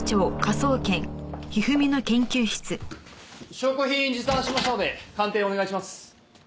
証拠品持参しましたので鑑定お願いします。